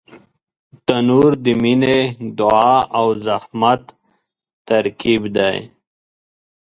تنور د مینې، دعا او زحمت ترکیب دی